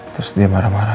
terus dia marah marah